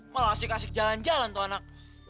malah asik kasih jalan jalan tuh anak